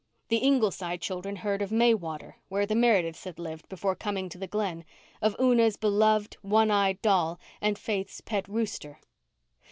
The Ingleside children heard of Maywater, where the Merediths had lived before coming to the Glen, of Una's beloved, one eyed doll and Faith's pet rooster.